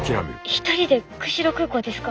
一人で釧路空港ですか？